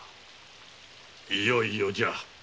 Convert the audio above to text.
いよいよじゃ。